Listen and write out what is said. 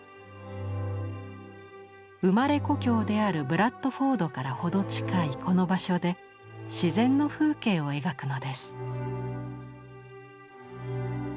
生まれ故郷であるブラッドフォードから程近いこの場所で自然の風景を描くのです。